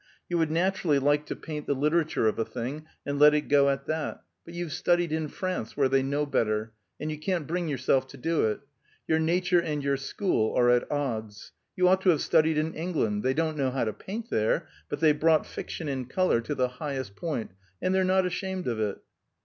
You would naturally like to paint the literature of a thing, and let it go at that. But you've studied in France, where they know better, and you can't bring yourself to do it. Your nature and your school are at odds. You ought to have studied in England. They don't know how to paint there, but they've brought fiction in color to the highest point, and they're not ashamed of it."